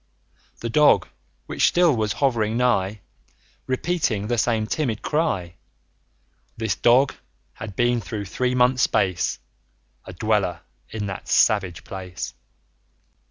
The Dog, which still was hovering nigh, Repeating the same timid cry, 55 This Dog, had been through three months' space A dweller in that savage place.